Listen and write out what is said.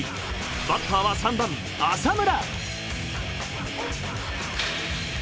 バッターは３番浅村。